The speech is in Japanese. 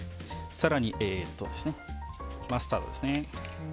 更に、マスタードですね。